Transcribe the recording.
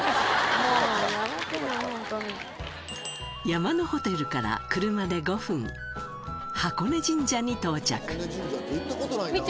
山のホテルから車で５分箱根神社に到着